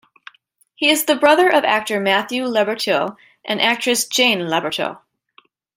He is brother of actor Matthew Laborteaux and actress Jane Laborteaux.